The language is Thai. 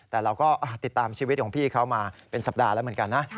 แต่เราก็ติดตามชีวิตของพี่เขามาเป็นสัปดาห์แล้วเหมือนกันนะ